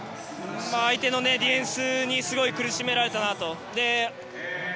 相手のディフェンスにすごい苦しめられたなと。